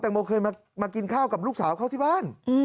งโมเคยมากินข้าวกับลูกสาวเขาที่บ้าน